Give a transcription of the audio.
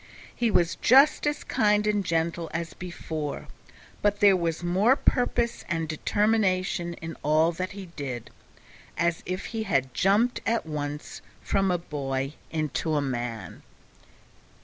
He was just as kind and gentle as before, but there was more purpose and determination in all that he did as if he had jumped at once from a boy into a man.